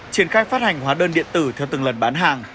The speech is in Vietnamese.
triển khai phát hành hóa đơn điện tử theo từng lần bán hàng